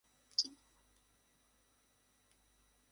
ভাইয়া, ট্রাক চালাতে গিয়েই তো তোমার সব হাওয়া বের হয়ে যায়।